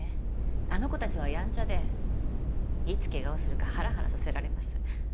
あの子たちはやんちゃでいつ怪我をするかハラハラさせられます。